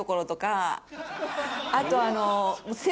あと。